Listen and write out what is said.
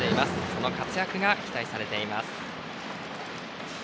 その活躍が期待されています。